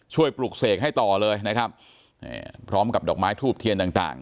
ปลุกเสกให้ต่อเลยนะครับพร้อมกับดอกไม้ทูบเทียนต่างต่าง